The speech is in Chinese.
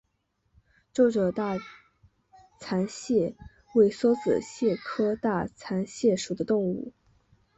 皱褶大蟾蟹为梭子蟹科大蟾蟹属的动物。